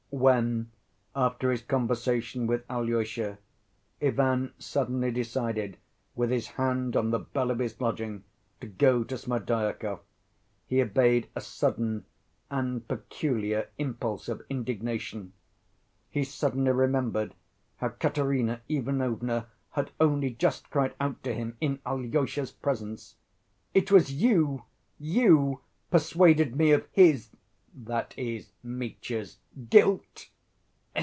When, after his conversation with Alyosha, Ivan suddenly decided with his hand on the bell of his lodging to go to Smerdyakov, he obeyed a sudden and peculiar impulse of indignation. He suddenly remembered how Katerina Ivanovna had only just cried out to him in Alyosha's presence: "It was you, you, persuaded me of his" (that is, Mitya's) "guilt!"